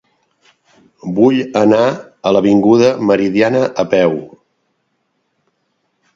Vull anar a l'avinguda Meridiana a peu.